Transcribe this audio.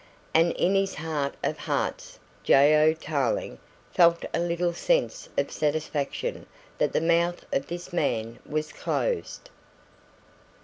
And in his heart of hearts J. O. Tarling felt a little sense of satisfaction that the mouth of this man was closed.